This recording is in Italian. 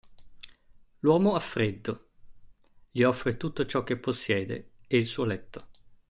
L'uomo ha freddo; gli offre tutto ciò che possiede e il suo letto.